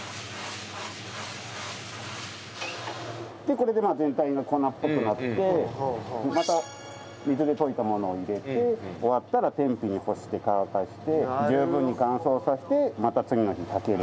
これで全体が粉っぽくなってまた水で溶いたものを入れて終わったら天日に干して乾かして十分に乾燥させてまた次のにかける。